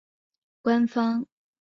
官方授权进口被奴役的西非人。